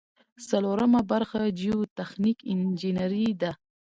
څلورمه برخه جیوتخنیک انجنیری ده.